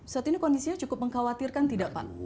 saat ini kondisinya cukup mengkhawatirkan tidak pak